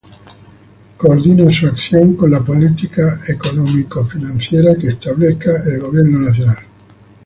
Coordina su acción con las políticas económico-financieras que establezca el Gobierno Nacional.